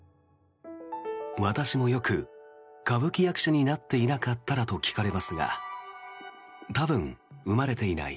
私もよく歌舞伎役者になっていなかったらと聞かれますが多分、生まれていない。